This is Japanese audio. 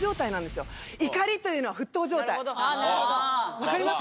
分かりますか？